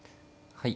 はい。